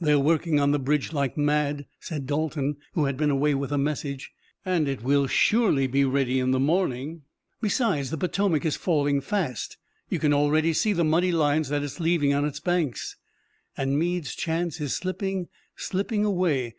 "They're working on the bridge like mad," said Dalton, who had been away with a message, "and it will surely be ready in the morning. Besides, the Potomac is falling fast. You can already see the muddy lines that it's leaving on its banks." "And Meade's chance is slipping, slipping away!"